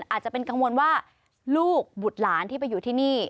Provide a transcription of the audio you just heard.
อาจจะเป็นกังวลว่าลูกบุตรหลานที่ไปอยู่ที่นี่